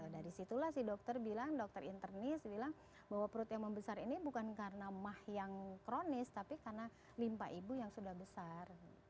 dari situlah si dokter bilang dokter internis bilang bahwa perut yang membesar ini bukan karena mah yang kronis tapi karena limpa ibu yang sudah besar